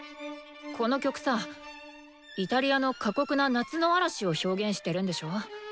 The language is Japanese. この曲さイタリアの過酷な「夏の嵐」を表現してるんでしょ？